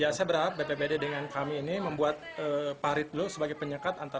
ya saya berharap bpbd dengan kami ini membuat parit dulu sebagai penyekatan